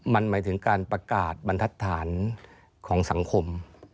มันหมายถึงการประกาศบรรทัศนของสังคม